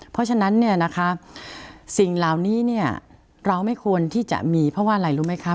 เพราะฉะนั้นสิ่งเหล่านี้เราไม่ควรที่จะมีเพราะว่าอะไรรู้ไหมคะ